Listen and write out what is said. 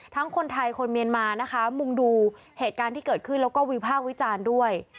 คนไทยคนเมียนมานะคะมุ่งดูเหตุการณ์ที่เกิดขึ้นแล้วก็วิพากษ์วิจารณ์ด้วย